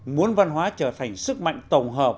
muốn văn hóa trở thành sức mạnh tổng hợp